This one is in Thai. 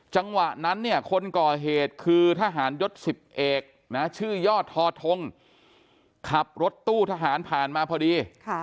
จังหวะนั้นเนี่ยคนก่อเหตุคือทหารยศ๑๐เอกนะชื่อยอดทอทงขับรถตู้ทหารผ่านมาพอดี